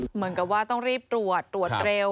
เหมือนกับว่าต้องรีบตรวจตรวจเร็ว